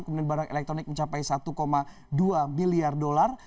kemudian barang elektronik mencapai satu dua miliar dolar